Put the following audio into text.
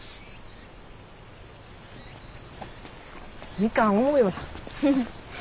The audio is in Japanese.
みかん重いわ。